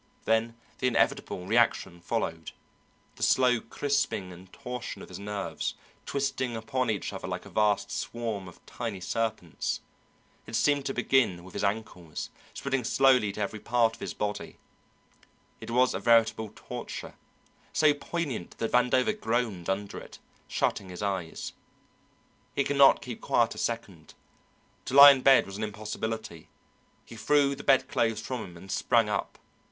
Then the inevitable reaction followed, the slow crisping and torsion of his nerves, twisting upon each other like a vast swarm of tiny serpents; it seemed to begin with his ankles, spreading slowly to every part of his body; it was a veritable torture, so poignant that Vandover groaned under it, shutting his eyes. He could not keep quiet a second to lie in bed was an impossibility; he threw the bed clothes from him and sprang up.